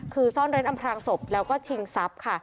คือซ่อนเร้นอำพลางศพแล้วก็ชิงทรัพย์ค่ะ